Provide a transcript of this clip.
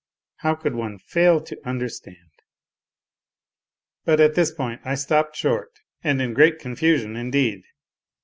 How could one fail to under stand? ..." But at this point I stopped short, and in great confusion, indeed.